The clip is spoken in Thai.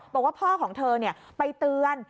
บอกว่าพ่อของเธอไปเตือน